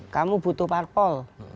kamu butuh parpol